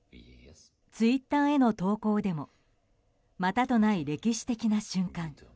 ツイッターへの投稿でもまたとない歴史的な瞬間。